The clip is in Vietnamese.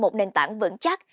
một nền tảng vững chắc